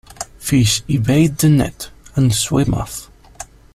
Fish evade the net and swim off.